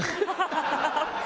ハハハハ！